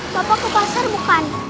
bapak ke pasar bukan